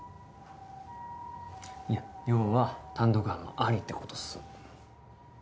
いや要は単独犯もありってことっす。